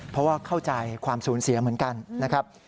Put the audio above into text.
เพราะว่าเข้าใจความสูญเสียเหมือนกันนะครับ